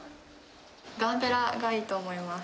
ガーベラがいいと思います。